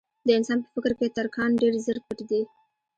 د انسان په فکر کې تر کان ډېر زر پټ دي.